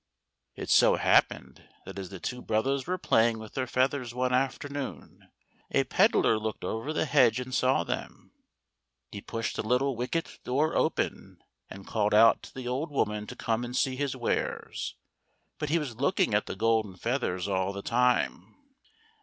It so happened that as the two brothers were play ing with their feathers one afternoon, a pedlar looked over the hedge and saw them. He pushed the little 58 THE GOLDEN HEN. wicket door open, and called out to the old woman to come and see his wares ; but he was looking at the golden feathers all the time.